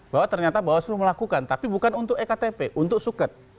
bahwa ternyata bawaslu melakukan tapi bukan untuk ektp untuk suket